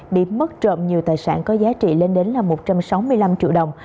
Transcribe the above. bị mất trộm nhiều tài sản có giá trị lên đến là một trăm sáu mươi năm triệu đồng